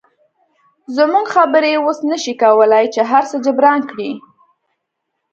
زموږ خبرې اوس نشي کولی چې هرڅه جبران کړي